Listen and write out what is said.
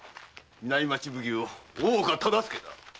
南町奉行・大岡忠相である。